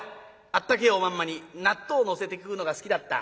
あったけえおまんまに納豆のせて食うのが好きだった。